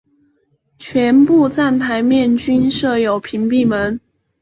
全部站台面均设有屏蔽门。